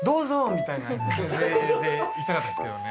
みたいな感じで行きたかったですけどね。